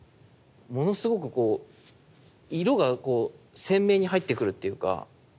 ものすごくこう色がこう鮮明に入ってくるっていうか。